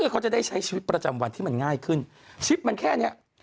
เขาจะได้ใช้ชีวิตประจำวันที่มันง่ายขึ้นชีวิตมันแค่เนี้ย